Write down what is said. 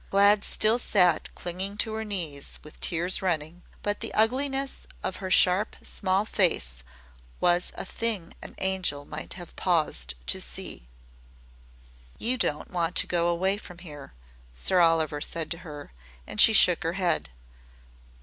Glad still sat clinging to her knees and with tears running, but the ugliness of her sharp, small face was a thing an angel might have paused to see. "You don't want to go away from here," Sir Oliver said to her, and she shook her head.